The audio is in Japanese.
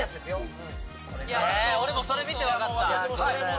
俺もそれ見て分かった。